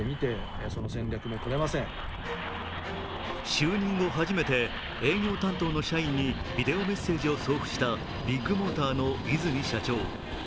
就任後初めて営業担当の社員にビデオメッセージを送付したビッグモーターの和泉社長。